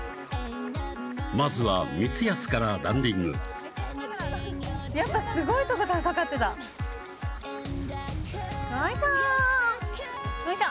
まずは光安からランディングやっぱすごいとこから掛かってたよいしょよいしょ